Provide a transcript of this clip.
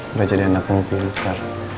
belajar di anak yang pintar